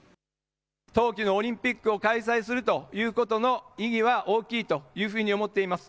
冬季のオリンピックを開催するということの意義は大きいというふうに思っています。